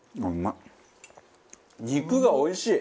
肉がおいしい。